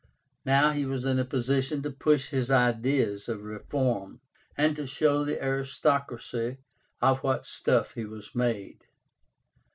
Now he was in a position to push his ideas of reform, and to show the aristocracy of what stuff he was made.